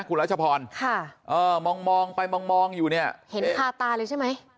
คุณรัชพรมองไปมองอยู่เนี่ยเห็นคาตาเลยใช่ไหม